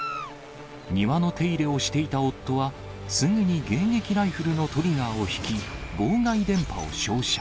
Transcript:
庭の手入れをしていた夫は、すぐに迎撃ライフルのトリガーを引き、妨害電波を照射。